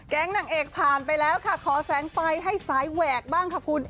นางเอกผ่านไปแล้วค่ะขอแสงไฟให้สายแหวกบ้างค่ะคุณ